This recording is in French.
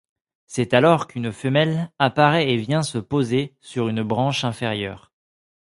C’est alors qu’une femelle apparaît et vient se poser sur une branche inférieure.